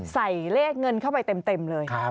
ใส่เลขเงินเข้าไปเต็มเลย